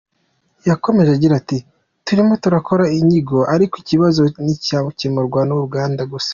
Yakomeje agira ati : “Turimo turakora inyigo ariko ikibazo nticyakemurwa n’uruganda gusa.